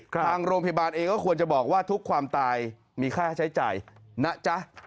ทางโรงพยาบาลเองก็ควรจะบอกว่าทุกความตายมีค่าใช้จ่ายนะจ๊ะ